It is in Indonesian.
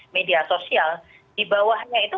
media sosial dibawahnya itu